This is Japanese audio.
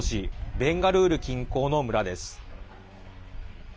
ベンガルール近郊の村です。